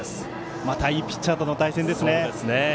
またいいピッチャーとの対戦ですね。